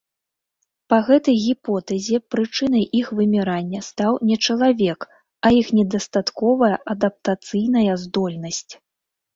Па гэтай гіпотэзе прычынай іх вымірання стаў не чалавек, а іх недастатковая адаптацыйная здольнасць.